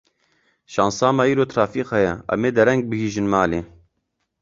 Şansa me îro trafîk heye, em ê dereng bigihîjin malê.